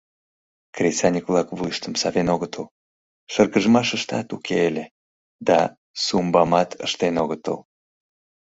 Кресаньык-влак вуйыштым савен огытыл, шыргыжмашыштат уке ыле да “сумбамат” ыштен огытыл.